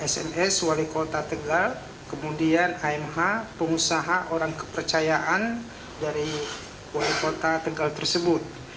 sns wali kota tegal kemudian amh pengusaha orang kepercayaan dari wali kota tegal tersebut